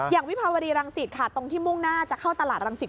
วิภาวดีรังสิตค่ะตรงที่มุ่งหน้าจะเข้าตลาดรังสิต